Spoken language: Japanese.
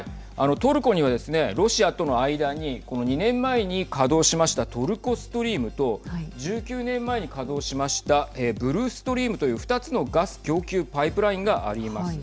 トルコにはですねロシアとの間にこの２年前に稼働しましたトルコストリームと１９年前に稼働しましたブルーストリームという２つのガス供給パイプラインがあります。